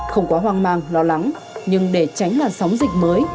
không quá hoang mang lo lắng nhưng để tránh làn sóng dịch mới